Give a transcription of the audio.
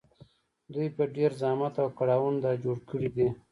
دوی په ډېر زحمت او کړاوونو دا جوړ کړي دي